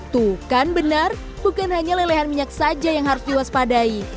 tukan benar bukan hanya lelehan minyak saja yang harus diwaspadai